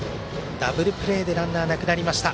ダブルプレーでランナーがなくなりました。